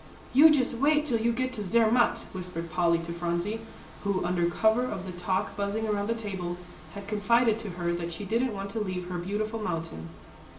"You just wait till you get to Zermatt," whispered Polly to Phronsie, who, under cover of the talk buzzing around the table, had confided to her that she didn't want to leave her beautiful mountain.